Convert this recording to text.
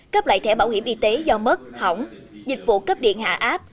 cấp lại thẻ bảo hiểm y tế do mất hỏng dịch vụ cấp điện hạ áp